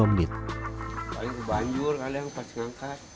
paling kebanjur kalian pas ngangkat